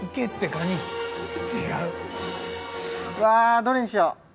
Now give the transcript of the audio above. うわどれにしよう。